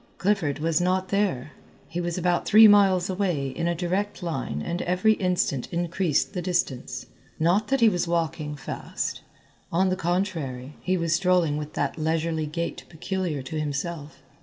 Clifford was not there. He was about three miles away in a direct line and every instant increased the distance. Not that he was walking fast, on the contrary, he was strolling with that leisurely gait peculiar to himself.